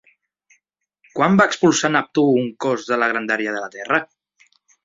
Quan va expulsar Neptú un cos de la grandària de la terra?